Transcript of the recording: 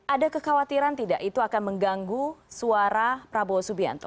ada kekhawatiran tidak itu akan mengganggu suara prabowo subianto